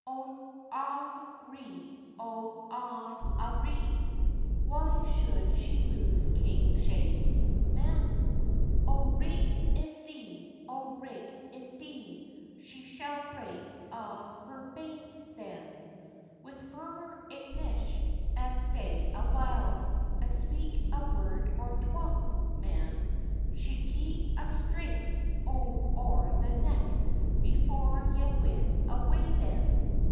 Oh' on a ri, Oh' on a ri, Why should she lose King Shames, man? Oh' rig in di, Oh' rig in di, She shall break a' her banes then; With furichinish, an' stay a while, And speak a word or twa, man, She's gi' a straike, out o'er the neck, Before ye win awa' then.